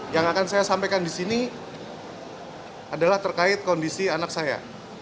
yang akan saya sampaikan di sini adalah terkait kondisi anak saya